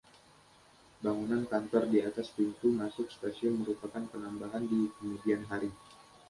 Bangunan kantor di atas pintu masuk stasiun merupakan penambahan di kemudian hari.